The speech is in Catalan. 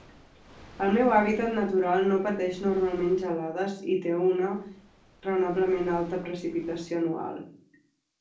El seu hàbitat natural no pateix normalment gelades i té una raonablement alta precipitació anual.